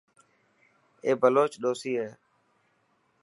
اي بلوچ ڏوسي هي.